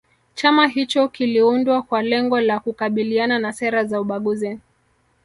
chama hicho kiliundwa kwa lengo la kukabiliana na sera za ubaguzi